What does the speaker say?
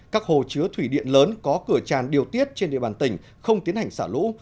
các hồ chứa thủy điện lớn có cửa tràn điều tiết trên địa bàn tỉnh không tiến hành xả lũ